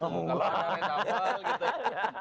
kalau ada resafal gitu